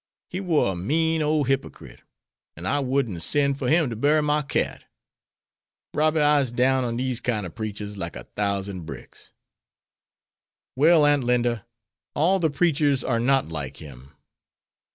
He war a mean ole hypocrit, an' I wouldn't sen' fer him to bury my cat. Robby, I'se down on dese kine ob preachers like a thousand bricks." "Well, Aunt Linda, all the preachers are not like him."